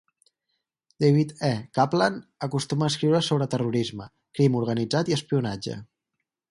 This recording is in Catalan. David E. Kaplan acostuma a escriure sobre terrorisme, crim organitzat i espionatge.